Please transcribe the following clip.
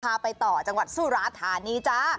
พาไปต่อจังหวัดสุราธานีจ้า